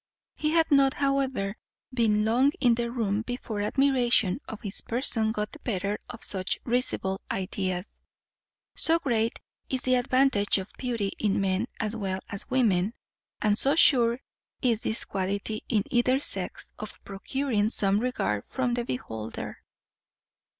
He had not, however, been long in the room before admiration of his person got the better of such risible ideas. So great is the advantage of beauty in men as well as women, and so sure is this quality in either sex of procuring some regard from the beholder.